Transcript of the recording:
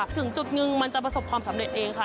ถึงจุดนึงมันจะประสบความสำเร็จเองค่ะ